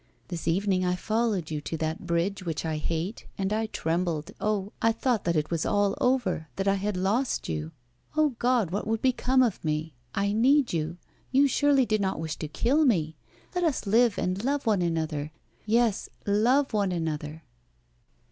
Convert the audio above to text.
This evening I followed you to that bridge which I hate, and I trembled, oh! I thought that it was all over that I had lost you. Oh, God! what would become of me? I need you you surely do not wish to kill me! Let us live and love one another yes, love one another!